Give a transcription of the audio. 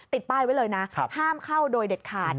ติดป้ายไว้เลยนะห้ามเข้าโดยเด็ดขาด